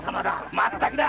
まったくだ。